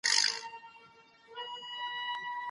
د افغانستان د پرمختګ لپاره د ښځو زدهکړه د خوبونو لویوالي سبب ده